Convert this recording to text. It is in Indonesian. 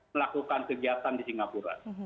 melakukan kegiatan di singapura